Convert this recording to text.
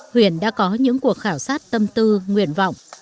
huyện đã có những cuộc khảo sát tâm tư nguyện vọng